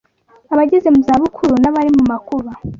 abageze mu zabukuru n’abari mu makuba